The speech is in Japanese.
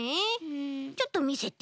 ちょっとみせて。